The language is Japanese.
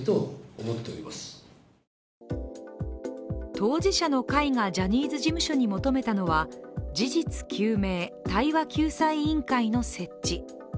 当事者の会がジャニーズ事務所に求めたのは事実究明・対話救済委員会の設置。